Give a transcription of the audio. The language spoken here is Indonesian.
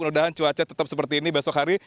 mudah mudahan cuaca tetap seperti ini besok hari